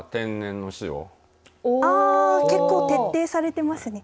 結構徹底されてますね。